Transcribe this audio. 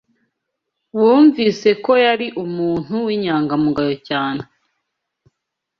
Bumvise ko yari umuntu w'inyangamugayo cyane.